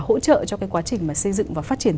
hỗ trợ cho cái quá trình mà xây dựng và phát triển